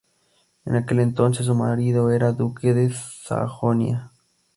En aquel entonces su marido era duque de Sajonia.